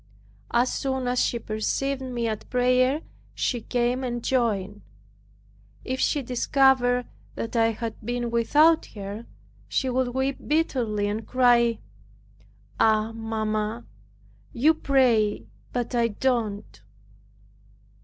As soon as she perceived me at prayer, she came and joined. If she discovered that I had been without her, she would weep bitterly and cry, "Ah, mamma, you pray but I don't."